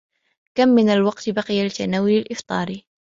كم من الوقت بقي لتناول الإفطار؟